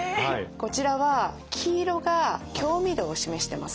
こちらは黄色が興味度を示してます。